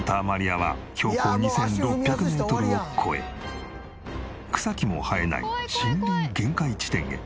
亜は標高２６００メートルを超え草木も生えない森林限界地点へ。